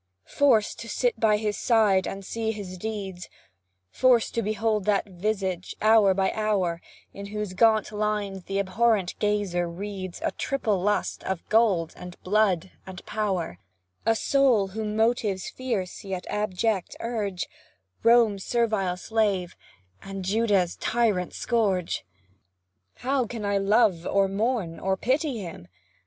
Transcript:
Forced to sit by his side and see his deeds; Forced to behold that visage, hour by hour, In whose gaunt lines the abhorrent gazer reads A triple lust of gold, and blood, and power; A soul whom motives fierce, yet abject, urge Rome's servile slave, and Judah's tyrant scourge. How can I love, or mourn, or pity him?